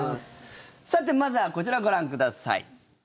さて、まずはこちらをご覧ください。